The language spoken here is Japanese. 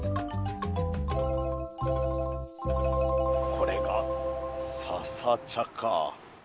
これが笹茶か。